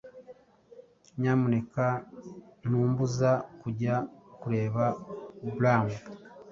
Nyamuneka ntumbuza kujya kureba braam